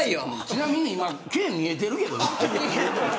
ちなみに今毛見えてるけどね。